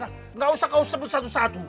tidak usah kau sebut satu satu